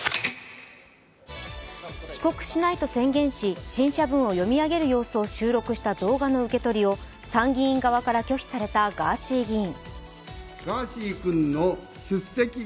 帰国しないと宣言し、陳謝文を読み上げる様子を撮影した動画の受け取りを参議院側から拒否されたガーシー議員。